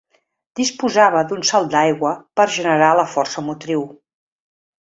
Disposava d'un salt d'aigua per generar la força motriu.